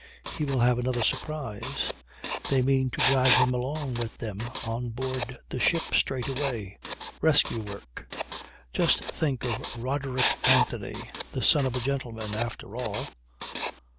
He will have another surprise. They mean to drag him along with them on board the ship straight away. Rescue work. Just think of Roderick Anthony, the son of a gentleman, after all